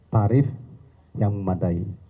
tarif yang memadai